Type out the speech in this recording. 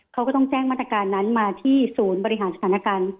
เขาก็ต้องแจ้งมาตรการนั้นมาที่ศูนย์บริหารสถานการณ์